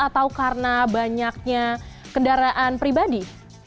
atau karena banyaknya kendaraan pribadi